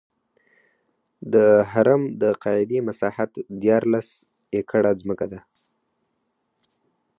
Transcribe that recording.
د هرم د قاعدې مساحت دیارلس ایکړه ځمکه ده.